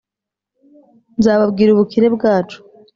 Nzababwira ubukire bwacu